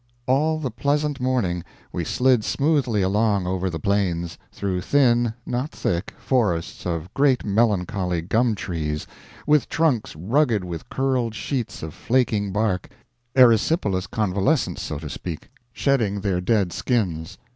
All the pleasant morning we slid smoothly along over the plains, through thin not thick forests of great melancholy gum trees, with trunks rugged with curled sheets of flaking bark erysipelas convalescents, so to speak, shedding their dead skins.